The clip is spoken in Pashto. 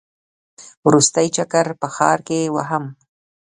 وروستی چکر په ښار کې وهم.